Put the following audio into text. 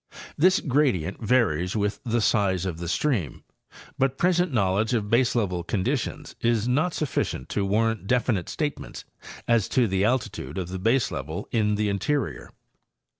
This gradient varies with the size of the stream, but present knowledge of baselevel conditions is not sufficient to warrant definite statements as to the altitude of the baselevel in the interior.